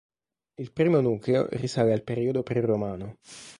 Il primo nucleo risale al periodo preromano.